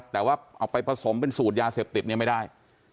แต่ว่าเอาไปผสมเป็นสูตรยาเสพติดเนี่ยไม่ได้